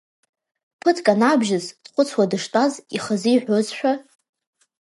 Ԥыҭк анаабжьыс, дхәыцуа дыштәаз, ихазы иҳәозшәа…